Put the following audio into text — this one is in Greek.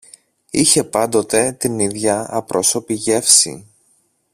είχε πάντοτε την ίδια απρόσωπη γεύση